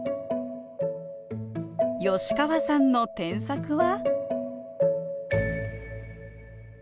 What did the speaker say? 吉川さんの添削は？